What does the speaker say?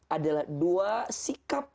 adalah dua sikap